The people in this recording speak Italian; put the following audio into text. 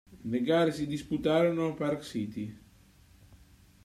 Le gare si disputarono a Park City.